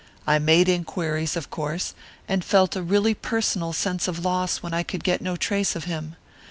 I made inquiries, of course, and felt a really personal sense of loss when I could get no trace of him.